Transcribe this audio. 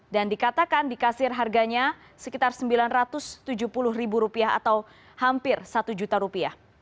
dan dikatakan di kasir harganya sekitar rp sembilan ratus tujuh puluh atau hampir rp satu